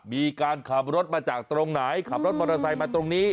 มีการขับรถมาจากตรงไหนขับรถมอเตอร์ไซค์มาตรงนี้